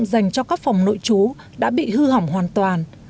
sau khi nước lũ bị hỏng các phòng nội chú đã bị hư hỏng hoàn toàn